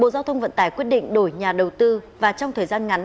có thể thấy rằng